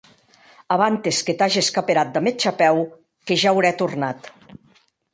Abantes que t'ages caperat damb eth chapèu que ja aurè tornat.